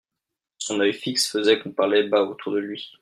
Son oeil fixe faisait qu'on parlait bas autour de lui.